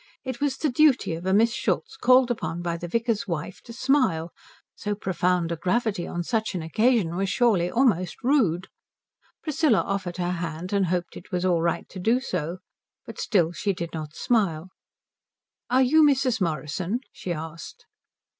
It was the duty of a Miss Schultz called upon by the vicar's wife to smile; so profound a gravity on such an occasion was surely almost rude. Priscilla offered her hand and hoped it was all right to do so, but still she did not smile. "Are you Mrs. Morrison?" she asked.